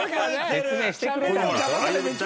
説明してくれたんでしょ。